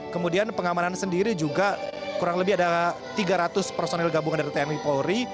kemudian pengamanan sendiri juga kurang lebih ada tiga ratus personil gabungan dari tni polri